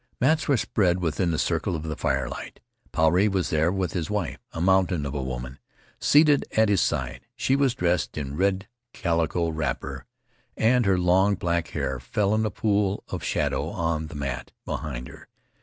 Mats were spread within the circle of the firelight. Puarei was there, with his wife — a mountain of a woman — seated at his side. She was dressed in a red calico wrapper, and her i 126 ] Rutiaro long black hair fell in a pool of shadow on the mat behind her.